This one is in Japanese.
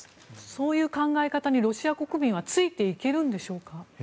そういう考え方にロシア国民はついていけるんでしょうか。